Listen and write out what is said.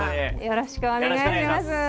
よろしくお願いします。